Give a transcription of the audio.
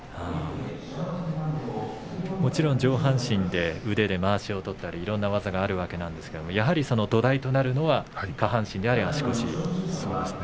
もちろん上半身で腕でまわしを取ったりいろいろな技があるわけですけれどもやはり土台となるのはそうですね。